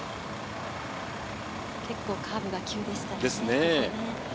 結構カーブが急ですからね。